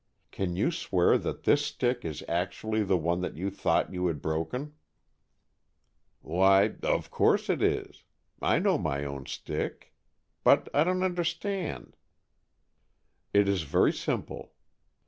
Can you swear that this stick is actually the one that you thought you had broken?" "Why, of course it is. I know my own stick. But I don't understand " "It is very simple.